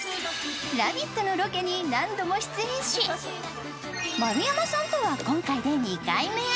「ラヴィット！」のロケに何度も出演し丸山さんとは今回で２回目。